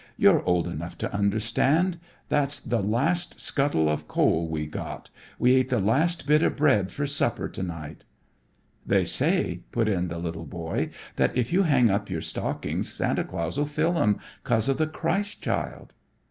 You're old enough to understand. That's the last scuttle of coal we got. We ate the last bit of bread for supper to night." "They say," put in the little boy, "that if you hang up your stockings, Santa Claus'll fill 'em, 'cause of the Christ Child."